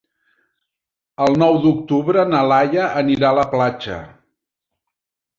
El nou d'octubre na Laia anirà a la platja.